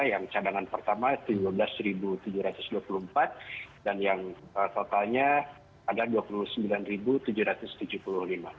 yang cadangan pertama rp tujuh belas tujuh ratus dua puluh empat dan yang totalnya adalah rp dua puluh sembilan tujuh ratus tujuh puluh lima